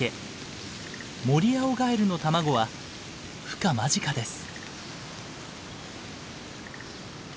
モリアオガエルの卵はふ化間近です。